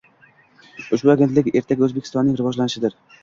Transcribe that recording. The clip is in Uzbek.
Ushbu agentlik ertaga Oʻzbekistonning rivojlanishidir